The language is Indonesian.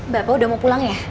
bapak udah mau pulang ya